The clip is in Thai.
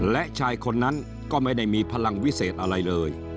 และชายคนนั้นก็ไม่ได้มีพลังวิเศษอะไรเลย